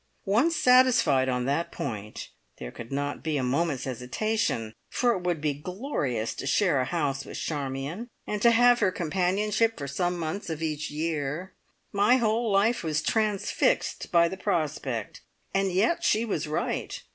Once satisfied on that point, there could not be a moment's hesitation, for it would be glorious to share a house with Charmion, and to have her companionship for some months of each year. My whole life was transfixed by the prospect, and yet she was right!